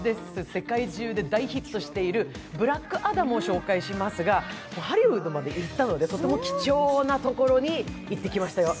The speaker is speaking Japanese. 世界中で大ヒットしている「ブラックアダム」を紹介しますがハリウッドまで行ったのでとても貴重なところに行ってきましたよ。